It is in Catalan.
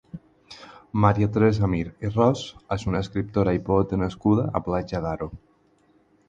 Maria Teresa Mir i Ros és una escriptora i poeta nascuda a Platja d'Aro.